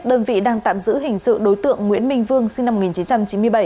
đơn vị đang tạm giữ hình sự đối tượng nguyễn minh vương sinh năm một nghìn chín trăm chín mươi bảy